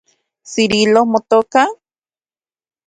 ¿Cirilo motoka?